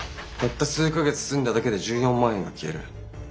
たった数か月住んだだけで１４万円が消える。